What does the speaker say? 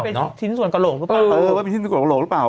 เป็นชิ้นส่วนกระโหลกหรือเปล่าเออว่าเป็นชิ้นส่วนกระโหลกหรือเปล่า